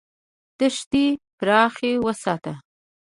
دښتې پراخې وساته.